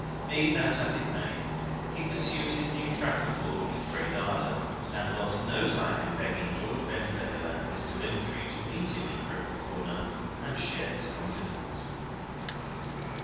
Be that as it may, he pursued his new track of thought with great ardour, and lost no time in begging George Vendale and Mr. Bintrey to meet him in Cripple Corner and share his confidence.